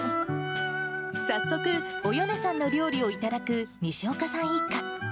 早速、およねさんの料理を頂く西岡さん一家。